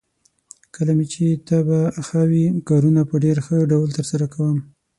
کله مې چې طبعه ښه وي، کارونه په ډېر ښه ډول ترسره کوم.